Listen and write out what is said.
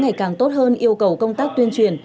ngày càng tốt hơn yêu cầu công tác tuyên truyền